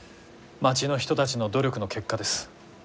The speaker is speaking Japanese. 町の人たちの努力の結果です。